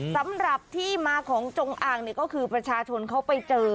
สำหรับที่มาของจงอ่างก็คือประชาชนเขาไปเจอ